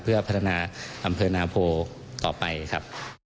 เพื่อพัฒนาอำเภอนาโพต่อไปครับ